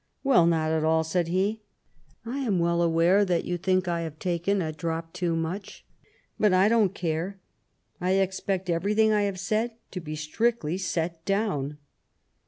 " Well, not at all," said he ;" I am well aware that you think I've taken a drop too much ; but I don't care. I expect everything I have said to be strictly set down."